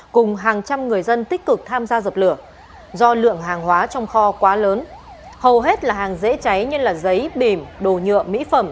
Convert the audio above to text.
cùng hàng trăm người dân tích cực tham gia dập lửa do lượng hàng hóa trong kho quá lớn hầu hết là hàng dễ cháy như giấy bìm đồ nhựa mỹ phẩm